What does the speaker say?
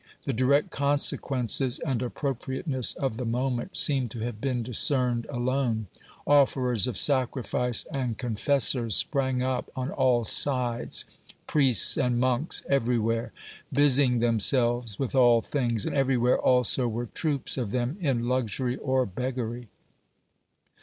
The direct consequences and appropriateness of the moment seem to have been discerned alone ; offerers of sacrifice and confessors sprang up on all sides, priests and monks every where, busying themselves with all things, and everywhere also were troops of them in luxury or beggary.